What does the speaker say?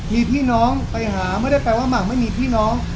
มีพี่น้องไปหาไม่ได้แปลว่าหมากไม่มีพี่น้อง